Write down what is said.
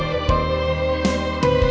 yang harus saya tahu